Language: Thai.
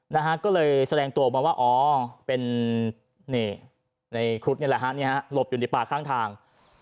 นะฮะก็เลยแสดงตัวออกมาว่าอ๋อเป็นนี่ในครุฑนี่แหละฮะนี่ฮะหลบอยู่ในป่าข้างทาง